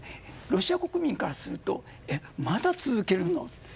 ロシア国民からするとまだ続けるの？と。